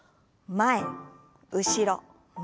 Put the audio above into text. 前後ろ前。